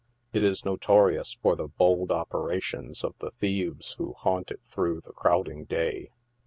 It is notorious for the bold operations of the thieves who haunt it through the crowding day.